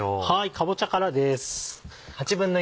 かぼちゃからです。